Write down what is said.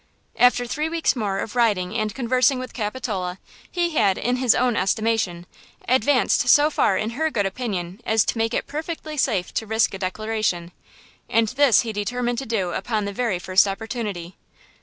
After three more weeks of riding and conversing with Capitola he had, in his own estimation, advanced so far in her good opinion as to make it perfectly safe to risk a declaration. And this he determined to do upon the very first opportunity.